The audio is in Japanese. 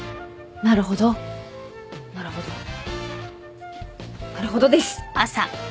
なるほどなるほどなるほどです。